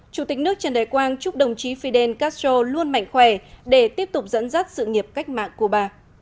chủ tịch nước trần đại quang chúc đồng chí fidel castro luôn mạnh khỏe để tiếp tục dẫn dắt sự nghiệp cách mạng cuba